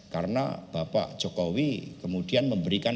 karena bapak jokowi kemudian memberikan